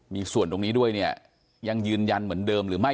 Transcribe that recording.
มีส่วนตรงนี้ด้วยเนี่ยยังยืนยันเหมือนเดิมหรือไม่